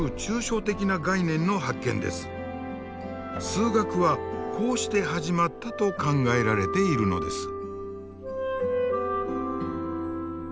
数学はこうして始まったと考えられているのです。